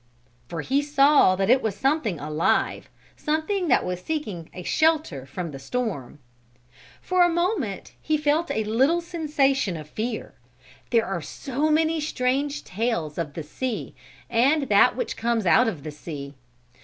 For he saw that it was something alive something that was seeking a shelter from the storm. For a moment he felt a little sensation of fear. There are so many strange tales of the sea, and that which comes out of the sea.